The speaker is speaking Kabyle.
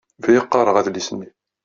Bdiɣ qqaṛeɣ adlis-nni.